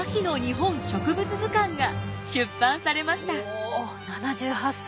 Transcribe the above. お７８歳。